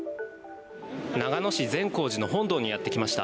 長野市善光寺の本堂にやってきました。